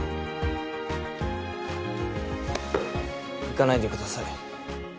行かないでください。